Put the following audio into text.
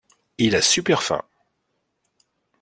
Il a super faim.